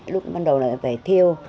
lúc bắt đầu là phải thiêu